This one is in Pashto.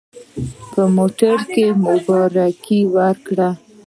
په موټر کې مبارکي ورکړه.